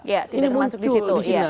ya tidak termasuk di situ